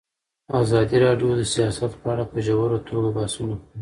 ازادي راډیو د سیاست په اړه په ژوره توګه بحثونه کړي.